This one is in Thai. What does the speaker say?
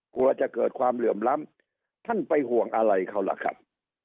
กลัวจะเกิดความเหลื่อมล้ำท่านไปห่วงอะไรเขาล่ะครับ